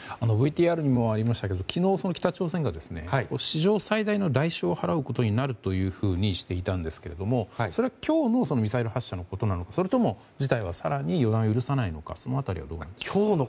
ＶＴＲにもありましたが昨日、北朝鮮が史上最大の代償を払うことになるとしていたんですがそれは今日のミサイル発射のことなのかそれとも、事態は更に予断を許さないのかその辺りはどうでしょうか？